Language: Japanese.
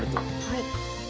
はい。